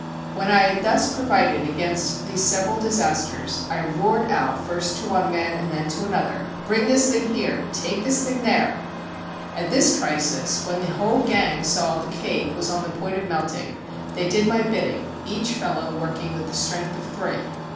When I had thus provided against these several disasters, I roared out first to one man and then to another, "Bring this thing here! Take that thing there!" At this crisis, when the whole gang saw the cake was on the point of melting, they did my bidding, each fellow working with the strength of three.